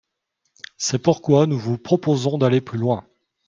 C’est pourquoi nous vous proposons d’aller plus loin.